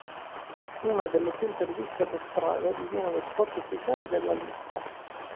Una delle sue "Interviste per Strada" diviene lo spot ufficiale della Lista.